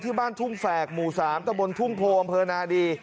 ที่บ้านทุ่งแฝกหมู่๓ตะบนทุ่งโพอำเภอนาดี